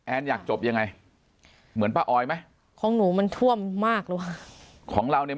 อยากจบยังไงเหมือนป้าออยไหมของหนูมันท่วมมากหรือว่าของเราเนี่ย